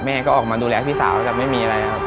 แม่ก็มาดูแลพี่สาวไม่มีอะไร